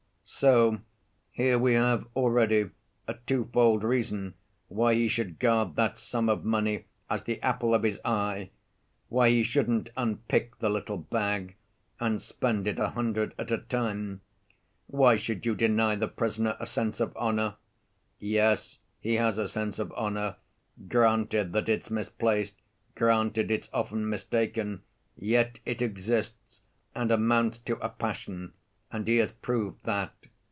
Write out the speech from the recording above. So here we have already a twofold reason why he should guard that sum of money as the apple of his eye, why he shouldn't unpick the little bag, and spend it a hundred at a time. Why should you deny the prisoner a sense of honor? Yes, he has a sense of honor, granted that it's misplaced, granted it's often mistaken, yet it exists and amounts to a passion, and he has proved that.